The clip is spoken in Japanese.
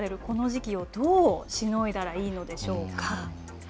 この時期をどうしのいだらいいのでしょうか。